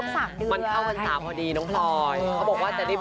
มันเข้าตั้ง๓เดือนพอดีไม้